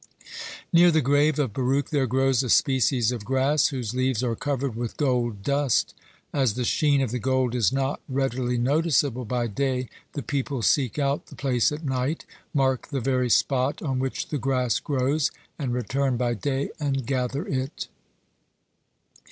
Near the grave of Baruch there grows a species of grass whose leaves are covered with gold dust. As the sheen of the gold is not readily noticeable by day, the people seek out the place at night, mark the very spot on which the grass grows, and return by day and gather it.